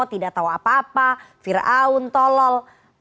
tidak tahu apa apa fir'auntolol